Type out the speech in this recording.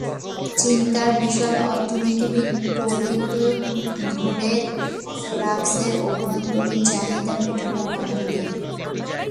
চীন তার বিশাল অর্থনীতির প্রবৃদ্ধি ধরে রাখছে অভ্যন্তরীণ চাহিদা মেটানোর মধ্য দিয়ে।